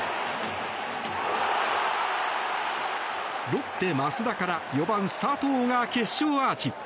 ロッテ、益田から４番、佐藤が決勝アーチ。